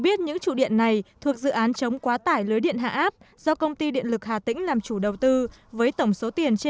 việc trụ điện được lắp đặt ngay tại đường đi nội bộ của tuyến đê chắn sóng cho thấy